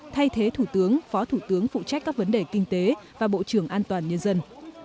thay thế thủ tướng phó thủ tướng phụ trách các vấn đề kinh tế và bộ trưởng an toàn nhân dân